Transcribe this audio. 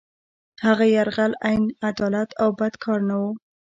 هغه یرغل عین عدالت او بد کار نه وو.